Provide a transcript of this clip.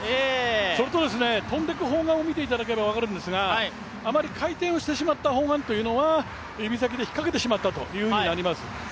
それと、飛んでいく砲丸を見ていただければ分かりやすいですが、あまり回転をしてしまった砲丸というのは指先で引っかけてしまったということになります。